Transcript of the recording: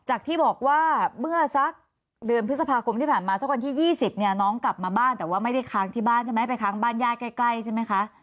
ที่บอกว่าเมื่อสักเดือนพฤษภาคมที่ผ่านมาสักวันที่๒๐เนี่ยน้องกลับมาบ้านแต่ว่าไม่ได้ค้างที่บ้านใช่ไหมไปค้างบ้านญาติใกล้ใช่ไหมคะ